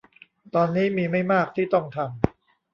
ตอนนี้มีไม่มากที่ต้องทำ